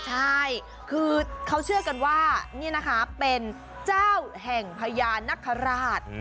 ใช่คือเขาเชื่อกันว่านี่นะคะเป็นเจ้าแห่งพญานคราช